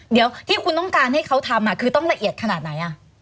เดี๋ยวที่คุณต้องการให้เขาทำคือต้องละเอียดขนาดไหน